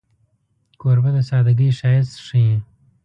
کوربه د سادګۍ ښایست ښيي.